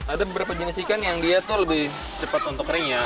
ada beberapa jenis ikan yang dia tuh lebih cepat untuk kering ya